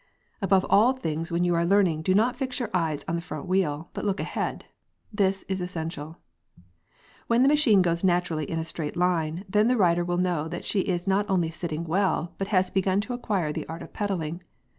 Above all things when you are learning do not fix your eyes on the front wheel, but look ahead. This is essential. When the machine goes naturally in a straight line, then the rider will know that she is not only sitting well, but has begun to acquire the art of pedalling.